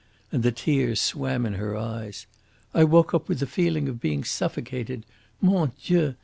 And the tears swam in her eyes. "I woke up with a feeling of being suffocated. Mon Dieu!